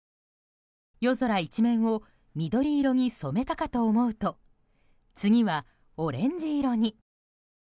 夜空一面を緑色に染めたかと思うと次は、オレンジ色に。